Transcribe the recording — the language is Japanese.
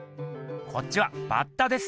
こっちはバッタです。